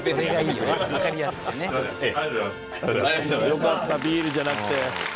よかったビールじゃなくて。